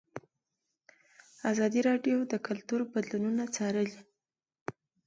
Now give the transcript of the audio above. ازادي راډیو د کلتور بدلونونه څارلي.